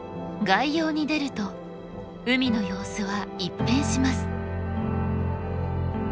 外洋に出ると海の様子は一変します。